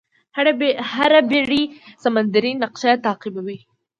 هره بېړۍ سمندري نقشه تعقیبوي.